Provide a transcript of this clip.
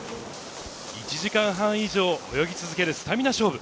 １時間半以上泳ぎ続けるスタミナ勝負。